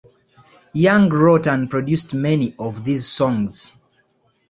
Young wrote and produced many of these songs.